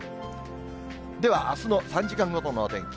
では、あすの３時間ごとのお天気。